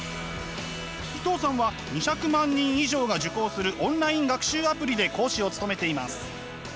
伊藤さんは２００万人以上が受講するオンライン学習アプリで講師を務めています。